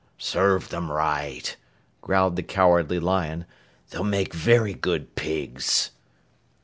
"Served 'em right," growled the Cowardly Lion. "They'll make very good pigs!"